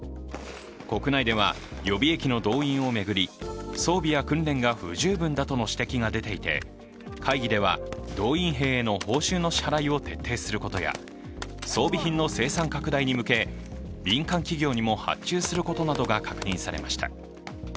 国内では予備役の動員を巡り装備や訓練が不十分だとの指摘が出ていて会議では動員兵への報酬の支払いを徹底することや、装備品の生産拡大に向け民間企業にも発注することなどが確認されました。